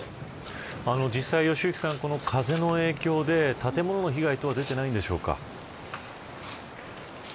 実際、良幸さんこの風の影響で建物の被害等は出ていないのでしょうか。